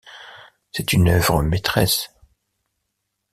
C'est une œuvre maîtresse.